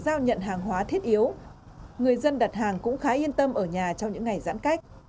giao nhận hàng hóa thiết yếu người dân đặt hàng cũng khá yên tâm ở nhà trong những ngày giãn cách